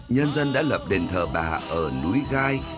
nhân dân đã lập đền thờ bà ở núi gai